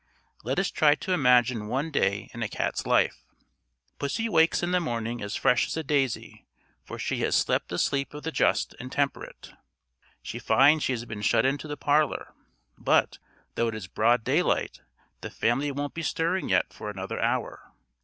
Let us try to imagine one day in a cat's life. Pussy wakes in the morning as fresh as a daisy, for she has slept the sleep of the just and temperate. She finds she has been shut into the parlour; but, though it is broad day light, the family won't be stirring yet for another hour.